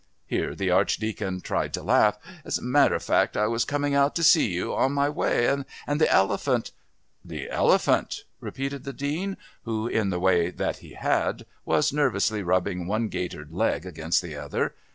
Here the Archdeacon tried to laugh. "As a matter of fact, I was coming out to see you...on my way...and the elephant..." "The elephant?" repeated the Dean, who, in the way that he had, was nervously rubbing one gaitered leg against the other.